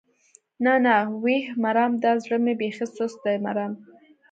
نه نه ويح مرم دا زړه مې بېخي سست دی مرم.